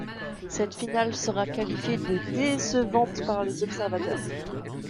Cette finale sera qualifié de décevante par les observateurs.